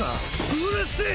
うるせェ！